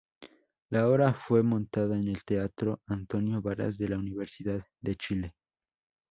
La obra fue montada en el Teatro Antonio Varas de la Universidad de Chile.